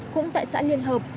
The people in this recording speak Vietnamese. cũng tại xã liên hợp